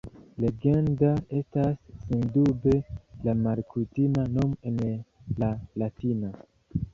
Legenda estas sendube la malkutima nomo en la latina.